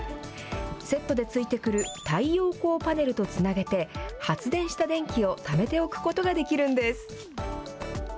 セットでついてくる太陽光パネルとつなげて、発電した電気をためておくことができるんです。